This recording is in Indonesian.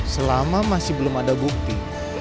selama masih belum ada bukti